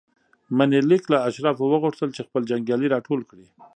منیلیک له اشرافو وغوښتل چې خپل جنګیالي راټول کړي.